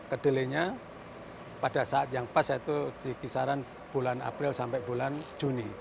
kedelainya pada saat yang pas yaitu di kisaran bulan april sampai bulan juni